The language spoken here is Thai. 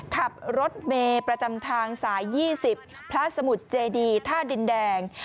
ขับรถเมย์ประจำทางสาย๒๐พระสมุทรเจดีท่าดินแดง